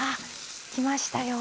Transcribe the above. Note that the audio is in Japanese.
きましたよ。